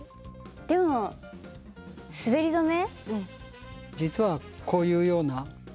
でも滑り止め？